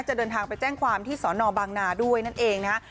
เดินทางไปแจ้งความที่สอนอบางนาด้วยนั่นเองนะฮะ